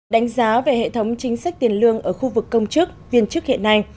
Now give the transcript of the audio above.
đánh giá về hệ thống chính sách tiền lương ở khu vực công chức viên chức hiện nay